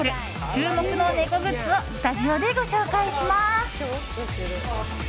注目の猫グッズをスタジオでご紹介します。